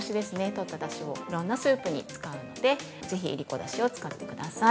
取っただしをいろんなスープに使うのでぜひいりこだしを使ってください。